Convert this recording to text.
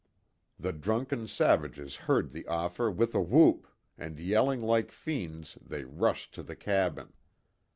The drunken savages heard the offer with a whoop, and yelling like fiends, they rushed to the cabin.